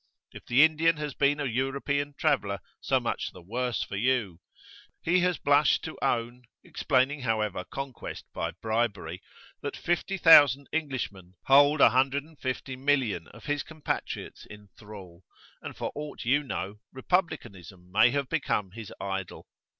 If the Indian has been a European traveller, so much the worse for you. He has blushed to own, explaining, however , conquest by bribery, that 50,000 Englishmen hold 150,000,000 of his compatriots in thrall, and for aught you know, republicanism may have become his idol.